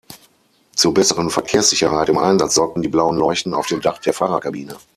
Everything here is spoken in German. Zur besseren Verkehrssicherheit im Einsatz sorgten die blauen Leuchten auf dem Dach der Fahrerkabine.